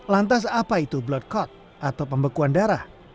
lantas apa itu blood court atau pembekuan darah